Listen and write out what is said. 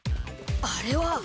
あれは。